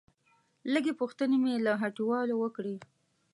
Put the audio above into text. لږې پوښتنې مې له هټيوالو وکړې.